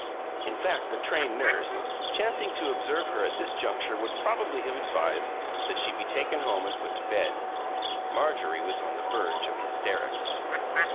In fact, a trained nurse, chancing to observe her at this juncture, would probably have advised that she be taken home and put to bed. Marjorie was on the verge of hysterics.